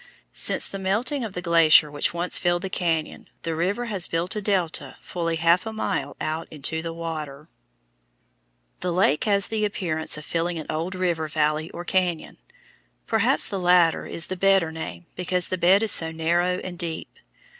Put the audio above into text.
Since the melting of the glacier which once filled the cañon, the river has built a delta fully half a mile out into the water. The lake has the appearance of filling an old river valley or cañon. Perhaps the latter is the better name because the bed is so narrow and deep.